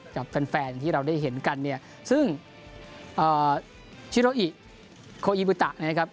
กับแฟนแฟนที่เราได้เห็นกันเนี่ยซึ่งชิโรอิโคอีบุตะนะครับ